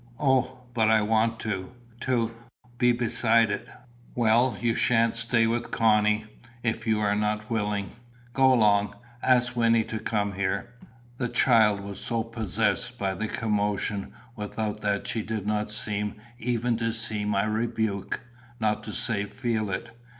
"O, but I want to to be beside it." "Well, you sha'n't stay with Connie, if you are not willing. Go along. Ask Wynnie to come here." The child was so possessed by the commotion without that she did not seem even to see my rebuke, not to say feel it.